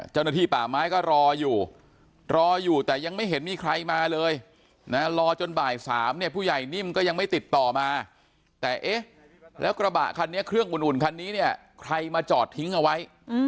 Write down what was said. เจ้าหน้าที่ป่าไม้ก็รออยู่รออยู่แต่ยังไม่เห็นมีใครมาเลยนะรอจนบ่าย๓เนี่ยผู้ใหญ่นิ่มก็ยังไม่ติดต่อมาแต่เอ๊ะแล้วกระบะคันนี้เครื่องอุ่นคันนี้เนี่ยใครมาจอดทิ้งเอาไว้